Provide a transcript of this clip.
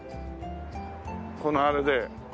このあれで。